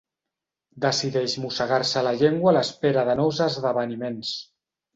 Decideix mossegar-se la llengua a l'espera de nous esdeveniments.